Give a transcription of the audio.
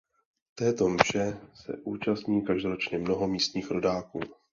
Této mše se účastní každoročně mnoho místních rodáků.